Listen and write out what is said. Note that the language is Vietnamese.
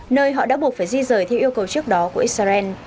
nơi họ đã buộc phải di rời theo yêu cầu trước đó của israel